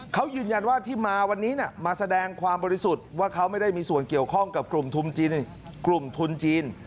เขายืนยันว่าที่มาวันนี้มาแสดงความบริสุทธิ์ว่าเขาไม่ได้มีส่วนเกี่ยวข้องกับกลุ่มทุนกลุ่มทุนจีน